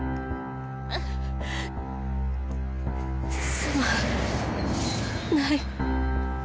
すまない。